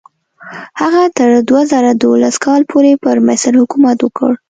هغه تر دوه زره دولس کال پورې پر مصر حکومت وکړ.